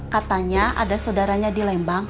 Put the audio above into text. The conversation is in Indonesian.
katanya ada saudaranya di lembang